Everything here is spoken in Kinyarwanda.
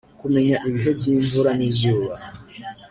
kumenya ibihe by’imvura n’izuba